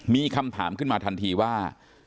มีคำถามขึ้นมาทันทีว่า